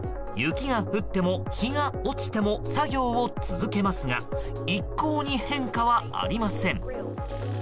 雪が降っても日が落ちても作業を続けますが一向に変化はありません。